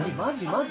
マジ？